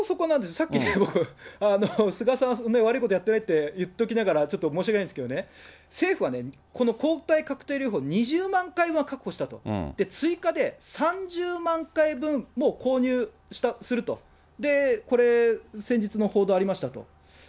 さっき、菅さん、悪いことやってないっていっときながら、ちょっと申し訳ないんですけれどもね、政府はこの抗体カクテル療法、２０万回は確保したと、追加で３０万回分、もう購入すると、これ、先日の報道ありましたと。